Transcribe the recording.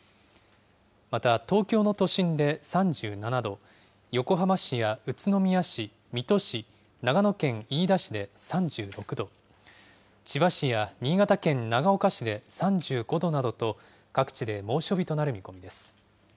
また、東京の都心で３７度、横浜市や宇都宮市、水戸市、長野県飯田市で３６度、千葉市や新潟県長岡市で３５度などと、各地で猛暑日となる見込みです。